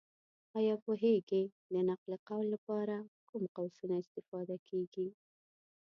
ایا پوهېږې! د نقل قول لپاره کوم قوسونه استفاده کېږي؟